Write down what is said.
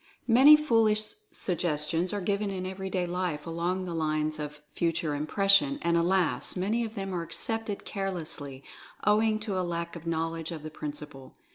Many foolish suggestions are given in everyday life along the lines of Future Impression, and alas ! many of them are accepted carelessly, owing to a lack of knowledge of the principle.